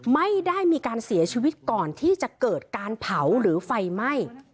ไม่ได้มีการเสียชีวิตก่อนที่จะเกิดการเผาหรือไฟไหม้